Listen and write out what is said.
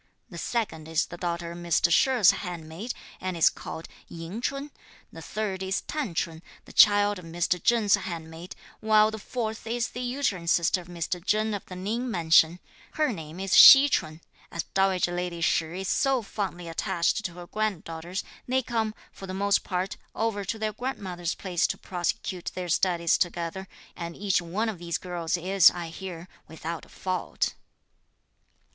The second is the daughter of Mr. She's handmaid, and is called Ying Ch'un; the third is T'an Ch'un, the child of Mr. Cheng's handmaid; while the fourth is the uterine sister of Mr. Chen of the Ning Mansion. Her name is Hsi Ch'un. As dowager lady Shih is so fondly attached to her granddaughters, they come, for the most part, over to their grandmother's place to prosecute their studies together, and each one of these girls is, I hear, without a fault."